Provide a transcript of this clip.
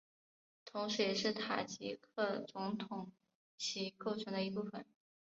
同时也是塔吉克总统旗构成的一部分